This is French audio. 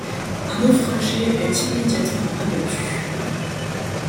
Un naufragé est immédiatement abattu.